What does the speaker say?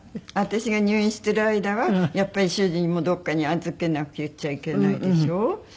私が入院してる間はやっぱり主人もどこかに預けなくちゃいけないでしょ。